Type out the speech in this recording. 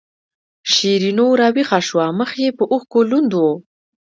شیرینو راویښه شوه مخ یې په اوښکو لوند و.